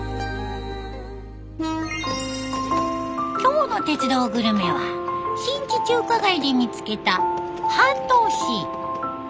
今日の「鉄道グルメ」は新地中華街で見つけた蝦多士。